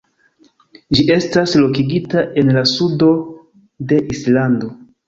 Ĝi estas lokigita en la sudo de Islando.